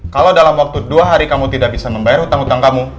kalau dalam waktu dua hari kamu tidak bisa membayar utang utang kamu